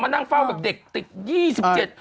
นั่งเฝ้าแบบเด็กติดยี่สิบเจ็ด